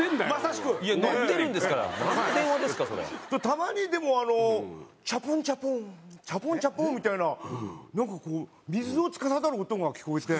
たまにでもあの「チャポンチャポンチャポンチャポン」みたいななんかこう水を司る音が聞こえて。